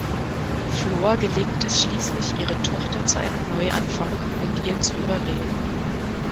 Flor gelingt es schließlich, ihre Tochter zu einem Neuanfang mit ihr zu überreden.